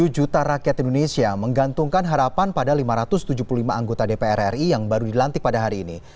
tujuh juta rakyat indonesia menggantungkan harapan pada lima ratus tujuh puluh lima anggota dpr ri yang baru dilantik pada hari ini